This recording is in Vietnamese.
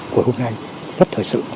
của hôm nay rất thật sự